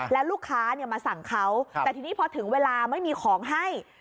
แล้วลูกค้ามาสั่งเขาแต่ทีนี้พอถึงเวลาไม่มีของให้